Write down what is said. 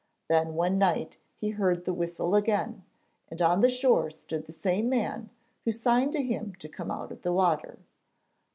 Then one night he heard the whistle again, and on the shore stood the same man, who signed to him to come out of the water.